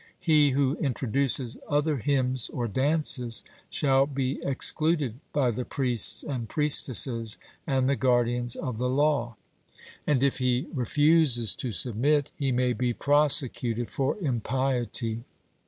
He who introduces other hymns or dances shall be excluded by the priests and priestesses and the guardians of the law; and if he refuses to submit, he may be prosecuted for impiety.